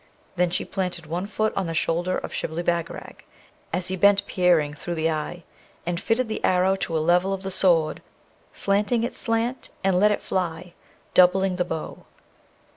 Then she planted one foot on the shoulder of Shibli Bagarag as he bent peering through the eye, and fitted the arrow to a level of the Sword, slanting its slant, and let it fly, doubling the bow.